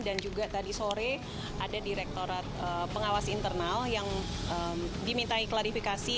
dan juga tadi sore ada direkturat pengawas internal yang dimintai klarifikasi